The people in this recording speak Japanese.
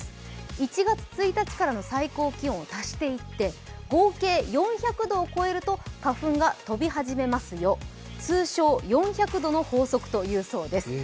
１月１日からの最高気温を足していって合計４００度を超えると花粉が飛び始めますよ、通称４００度の法則というそうです。